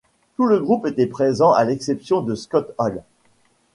Tout le groupe était présent à l'exception de Scott Hall.